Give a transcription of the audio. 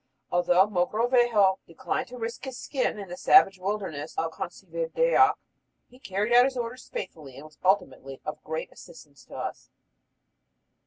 Although Mogrovejo declined to risk his skin in the savage wilderness of Conservidayoc, he carried out his orders faithfully and was ultimately of great assistance to us.